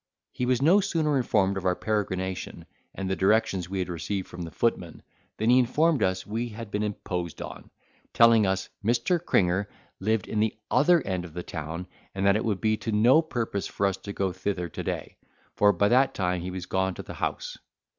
He was no sooner informed of our peregrination, and the directions we had received from the footman, than he informed us we had been imposed upon, telling us, Mr. Cringer lived in the other end of the town and that it would be to no purpose for us to go thither to day, for by that time he was gone to the House.